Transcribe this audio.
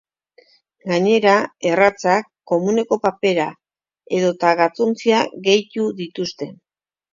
Gainera, erratzak, komuneko papera edota gatzontzia gehitu dituzte.